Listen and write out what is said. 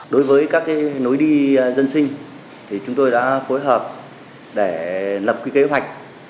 đối với các cái lối đi dân sinh thì chúng tôi đã phối hợp để lập cái kế hoạch